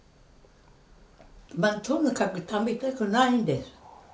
まあとにかく食べたくないんです。